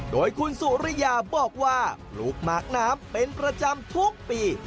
โดยคุณสุริยาบอกว่าปลูกหมากน้ำเป็นประจำทุกปี